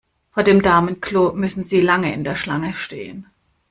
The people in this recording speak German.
Vor dem Damenklo müssen Sie lange in der Schlange stehen.